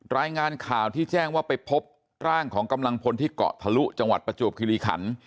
รายงานข่าวที่แจ้งว่าไปพบร่างของกำลังพลที่เกาะทะลุจังหวัดประจวบคิริขัน